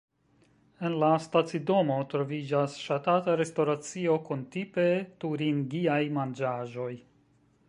En la stacidomo troviĝas ŝatata restoracio kun tipe turingiaj manĝaĵoj.